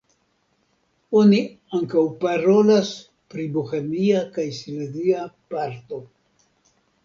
Oni ankaŭ parolas pri bohemia kaj silezia parto.